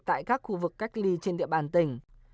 tại các khu vực cách ly trên địa bàn tỉnh